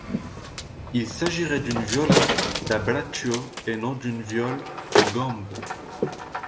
Il s'agirait d'une viola da braccio et non d'une viole de gambe.